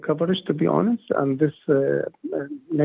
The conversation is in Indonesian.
dan pengetahuan negatif ini